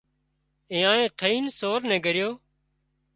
ايئان ٿئينَ سور نين ڳريو